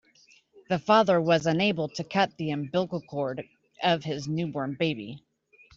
The father was unable to cut the umbilical cord of his newborn baby.